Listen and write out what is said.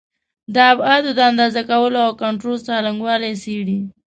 د ابعادو د اندازه کولو او کنټرول څرنګوالي څېړي.